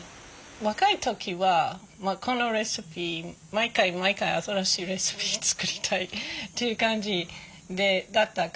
若い時はこのレシピ毎回毎回新しいレシピ作りたいという感じだったから。